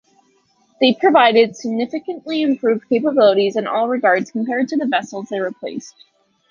They provided significantly improved capabilities in all regards compared to the vessels they replaced.